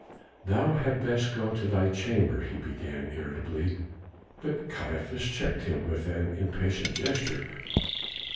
"Thou had best go to thy chamber " he began irritably, but Caiaphas checked him with an impatient gesture.